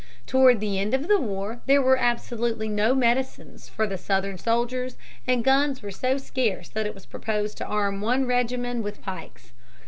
Toward the end of the war there were absolutely no medicines for the Southern soldiers, and guns were so scarce that it was proposed to arm one regiment with pikes.